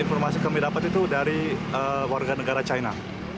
informasi kami dapat itu dari warga negara china